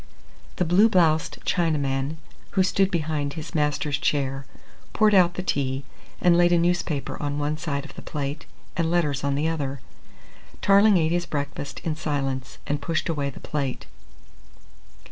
The blue bloused Chinaman who stood behind his master's chair, poured out the tea and laid a newspaper on one side of the plate and letters on the other. Tarling ate his breakfast in silence and pushed away the plate.